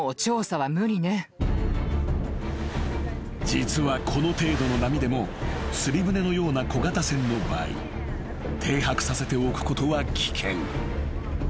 ［実はこの程度の波でも釣り船のような小型船の場合停泊させておくことは危険］